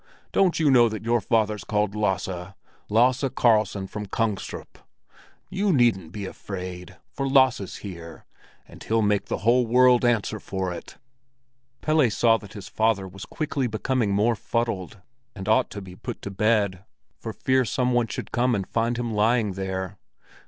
Don't you know that your father's called Lasse—Lasse Karlsson from Kungstorp? You needn't he afraid, for Lasse's here, and he'll make the whole world answer for it." Pelle saw that his father was quickly becoming more fuddled, and ought to be put to bed for fear some one should come and find him lying there.